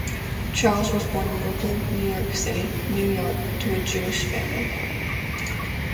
Charles was born in Brooklyn, New York City, New York to a Jewish family.